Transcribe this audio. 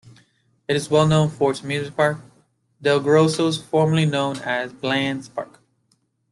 It is well known for its amusement park, DelGrosso's, formerly known as Bland's Park.